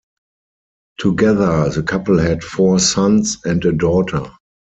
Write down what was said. Together the couple had four sons and a daughter.